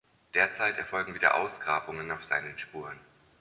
Derzeit erfolgen wieder Ausgrabungen auf seinen Spuren.